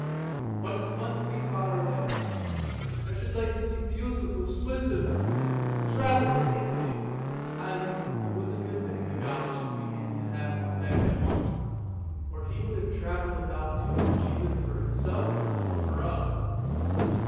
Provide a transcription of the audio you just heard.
But it must be far away ! I should like to see beautiful Switzerland, travel in Italy, and " It was a good thing that the goloshes began to have an effect at once, or he would have travelled about too much either for himself or for us.